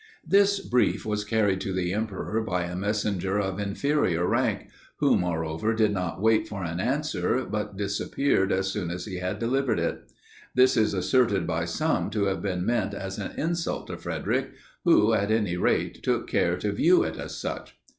This brief was carried to the emperor by a messenger of inferior rank; who, moreover, did not wait for an answer, but disappeared as soon as he had delivered it. This is asserted by some to have been meant as an insult to Frederic, who, at any rate, took care to view it as such.